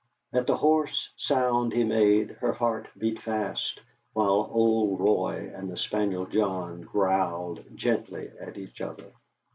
At the hoarse sound he made, her heart beat fast, while old Roy and the spaniel John growled gently at each other.